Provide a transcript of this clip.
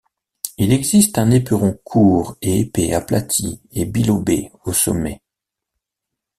Il existe un éperon court et épais aplati et bilobé au sommet.